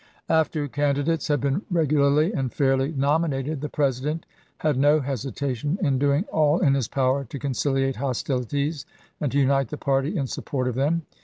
After candidates had been regularly and fairly nominated, the President had no hesitation in 362 ABRAHAM LINCOLN chap, xvi. doing all in his power to conciliate hostilities and to unite the party in support of them.